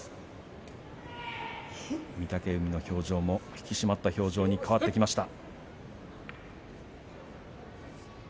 御嶽海の表情も引き締まった表情に変わってきました。